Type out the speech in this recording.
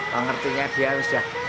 pak ngertinya dia sudah